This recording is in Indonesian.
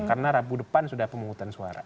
karena rabu depan sudah pemungutan suara